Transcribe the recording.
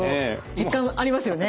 実感ありますよね。